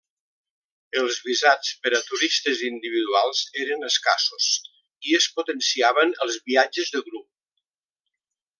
Els visats per a turistes individuals eren escassos i es potenciaven els viatges de grup.